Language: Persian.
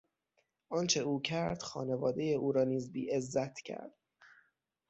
آنچه او کرد خانوادهی او را نیز بیعزت کرد.